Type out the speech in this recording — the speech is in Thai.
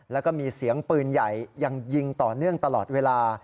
แล้วก็มีเสียงปืนใหญ่ยังยิงต่อเนื่องตลอดเวลา